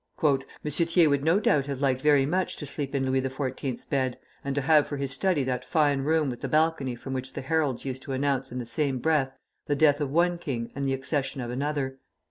"M. Thiers would no doubt have liked very much to sleep in Louis XIV's bed, and to have for his study that fine room with the balcony from which the heralds used to announce in the same breath the death of one king and the accession of another.